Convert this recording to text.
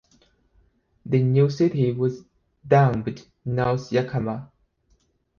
The new city was dubbed North Yakima.